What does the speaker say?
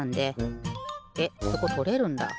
えっそことれるんだ。